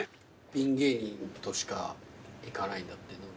ピン芸人としか行かないんだって飲みに。